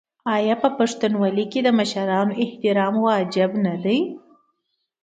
آیا په پښتونولۍ کې د مشرانو احترام واجب نه دی؟